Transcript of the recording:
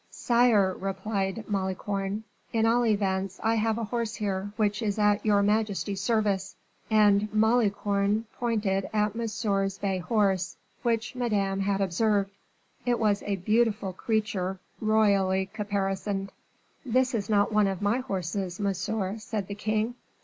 "Sire," replied Malicorne, "at all events I have a horse here which is at your majesty's service." And Malicorne pointed at Monsieur's bay horse, which Madame had observed. It was a beautiful creature royally caparisoned. "This is not one of my horses, monsieur," said the king.